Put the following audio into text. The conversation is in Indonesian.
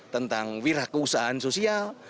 tentang wira keusahaan sosial